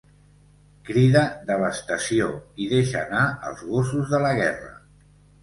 Crida 'devastació!' i deixa anar els gossos de la guerra.